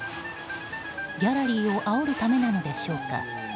ギャラリーをあおるためなのでしょうか。